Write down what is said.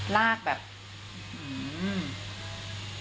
ลากแบบหื้อ